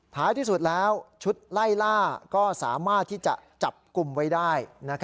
ท้ายที่สุดแล้วชุดไล่ล่าก็สามารถที่จะจับกลุ่มไว้ได้